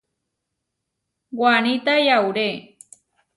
Waníta yauré.